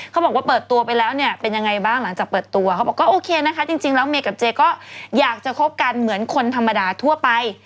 เขาบอกว่าเปิดตัวไปแล้วเนี่ยเป็นยังไงบ้างหลังจากเปิดตัวเขาบอกก็โอเคนะคะจริงแล้วเมย์กับเจก็อยากจะคบกันเหมือนคนธรรมดาทั่วไป